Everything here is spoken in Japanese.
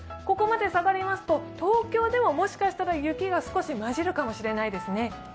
ここまで下がりますと東京でももしかしたら雪が少し交じるかもしれないですね。